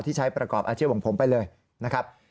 ใช้ประกอบอาชีพของผมไปเลยนะครับ